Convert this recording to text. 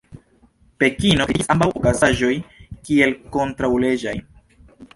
Pekino kritikis ambaŭ okazaĵoj kiel kontraŭleĝaj.